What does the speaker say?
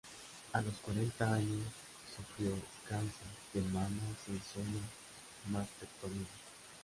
A los cuarenta años, sufrió cáncer de mama y se hizo una mastectomía.